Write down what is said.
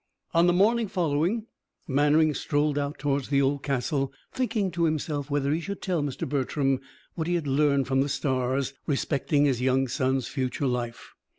On the morning following, Mannering strolled out towards the old castle, thinking to himself whether he should tell Mr. Bertram what he had learned from the stars respecting his young son's future life.